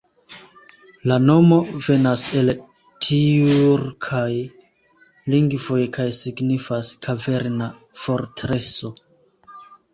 La nomo venas el tjurkaj lingvoj kaj signifas "kaverna fortreso".